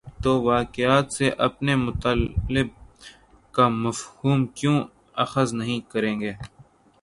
توواقعات سے اپنے مطلب کا مفہوم کیوں اخذ نہیں کریں گے؟